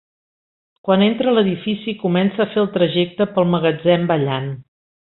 Quan entra a l'edifici comença a fer el trajecte pel magatzem ballant.